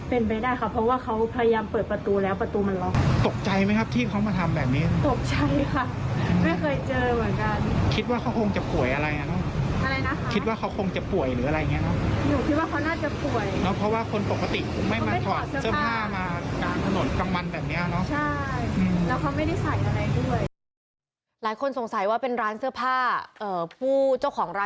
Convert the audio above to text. เป็นไปได้ค่ะเพราะว่าเขาพยายามเปิดประตูแล้วประตูมันล็อค